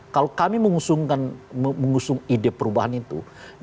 kalau kami mengusung ide perubahan itu